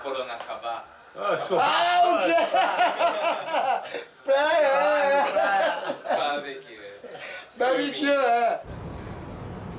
バーベキュー！